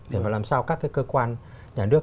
để mà làm sao các cái cơ quan nhà nước